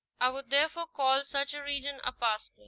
I would therefore call such a region a pastplain.